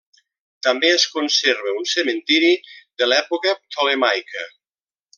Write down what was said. També es conserva un cementiri de l'època ptolemaica.